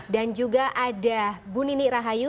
dan juga ada bu nini rahayu